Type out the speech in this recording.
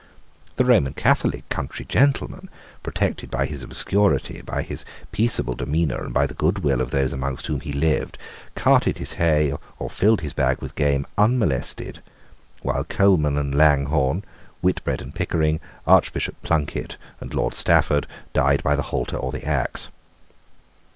The Roman Catholic country gentleman, protected by his obscurity, by his peaceable demeanour, and by the good will of those among whom he lived, carted his hay or filled his bag with game unmolested, while Coleman and Langhorne, Whitbread and Pickering, Archbishop Plunkett and Lord Stafford, died by the halter or the axe.